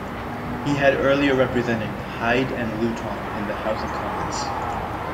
He had earlier represented Hyde and Luton in the House of Commons.